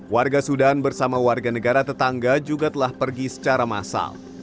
warga sudan bersama warga negara tetangga juga telah pergi secara massal